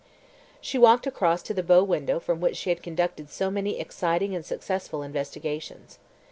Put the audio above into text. She walked across to the bow window from which she had conducted so many exciting and successful investigations.